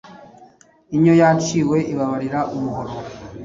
Inyo yaciwe ibabarira umuhoro.